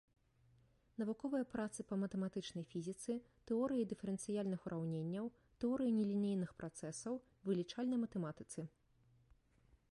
Навуковыя працы па матэматычнай фізіцы, тэорыі дыферэнцыяльных ураўненняў, тэорыі нелінейных працэсаў, вылічальнай матэматыцы.